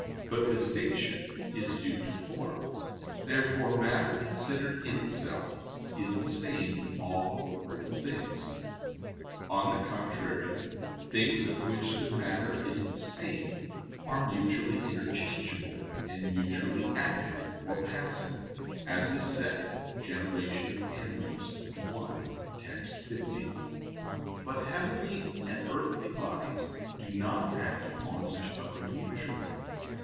But distinction is due to form. Therefore matter considered in itself is the same in all corporeal things. On the contrary, Things of which the matter is the same are mutually interchangeable and mutually active or passive, as is said (De Gener. i, text. 50). But heavenly and earthly bodies do not act upon each other mutually.